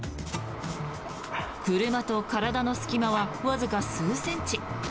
車と体の隙間はわずか数センチ。